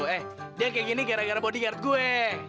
eh dia kayak gini gara gara bodyguard gue